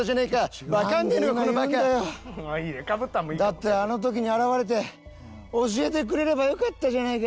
だったらあの時に現れて教えてくれればよかったじゃないか。